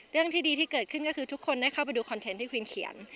เรื่องที่ดีที่เกิดขึ้นก็คือทุกคนได้เข้าไปดูคอนเทนต์ที่ควีนเขียน